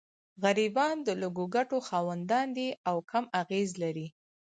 غریبان د لږو ګټو خاوندان دي او کم اغېز لري.